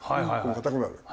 硬くなる。